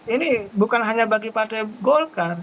ini bukan hanya bagi partai golkar